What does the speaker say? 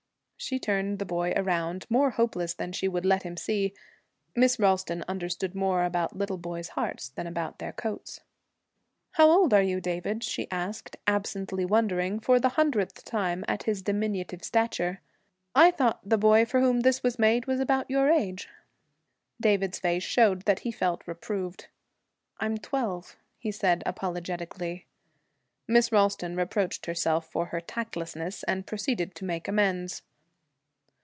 She turned the boy around, more hopeless than she would let him see. Miss Ralston understood more about little boys' hearts than about their coats. 'How old are you, David?' she asked, absently, wondering for the hundredth time at his diminutive stature. 'I thought the boy for whom this was made was about your age.' David's face showed that he felt reproved. 'I'm twelve,' he said, apologetically. Miss Ralston reproached herself for her tactlessness, and proceeded to make amends.